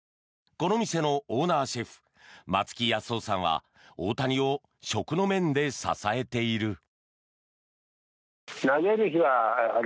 この店のオーナーシェフ松木保雄さんは大谷を食の面で支えている。